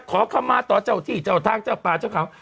เขาเข้ามาต่อเจ้าที่เจ้าท่านเจ้าพ่อเจ้าเขา